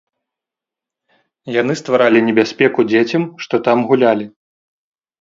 Яны стваралі небяспеку дзецям, што там гулялі.